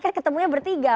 kan ketemunya bertiga